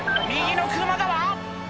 右の車だわ！」